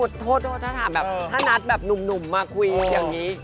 โทษโทษถ้าถามแบบถ้านัดแบบหนุ่มมาคุยอย่างนี้